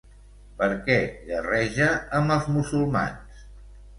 Per què guerreja amb els musulmans?